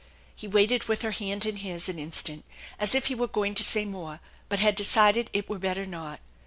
He waited with her hand in his an in stant as if he were going to say more, but had decided it were better not.